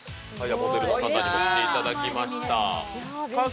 モデルの方に来ていただきました。